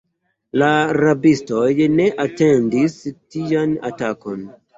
La rabistoj ne atendis tian atakon.